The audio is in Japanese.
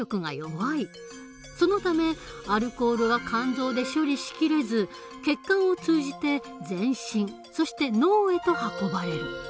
そのためアルコールは肝臓で処理しきれず血管を通じて全身そして脳へと運ばれる。